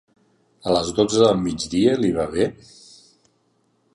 A les dotze del migdia li va bé?